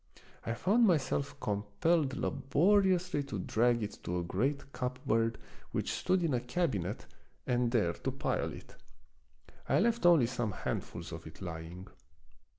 I found myself compelled labori ously to drag it to a great cupboard which stood in a cabinet and there to pile it. I left only some handfuls of it lying.